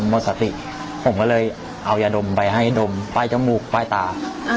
หมดสติผมก็เลยเอายาดมไปให้ดมป้ายจมูกป้ายตา